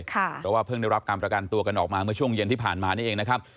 เพราะว่าเพิ่งได้รับการประกันตัวกันออกมาเมื่อช่วงเย็นที่ผ่านมานี่เองนะครับ